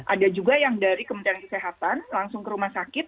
ada juga yang dari kementerian kesehatan langsung ke rumah sakit